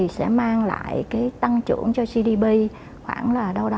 sẽ mang lại tăng trưởng cho gdp khoảng một